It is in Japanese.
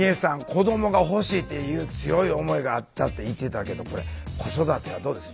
子どもが欲しいっていう強い思いがあったって言ってたけどこれ子育てはどうです？